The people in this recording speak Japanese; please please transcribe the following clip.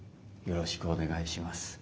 よろしくお願いします。